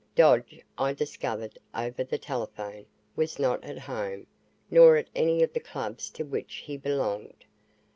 Dodge, I discovered over the telephone, was not at home, nor at any of the clubs to which he belonged.